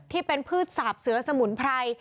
ที่เป็นพืชสาบเสือสมุนไพร